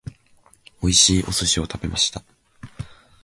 美味しいお寿司を食べました。